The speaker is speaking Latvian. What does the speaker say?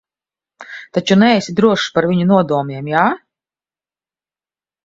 Taču neesi drošs par viņu nodomiem, jā?